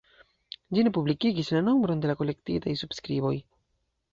Ĝi ne publikigis la nombron de la kolektitaj subskriboj.